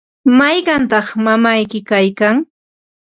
¿mayqantaq mamayki kaykan?